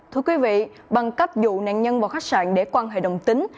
thưa quý vị bằng cách dụ nạn nhân vào khách sạn để quan hệ đồng tính